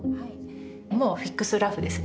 もうフィックスラフですね。